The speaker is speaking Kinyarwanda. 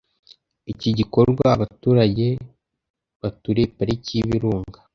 Iki gikorwa abaturage baturiye Pariki y’Ibirunga